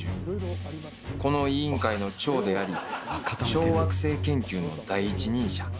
この委員会の長であり小惑星研究の第一人者。